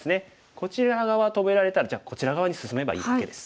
こちら側止められたらじゃあこちら側に進めばいいだけです。